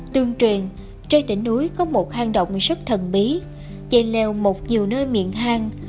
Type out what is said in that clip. tương truyền trên đỉnh núi có một hang động rất thần bí chạy leo một nhiều nơi miệng hang